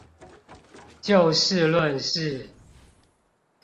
就事論事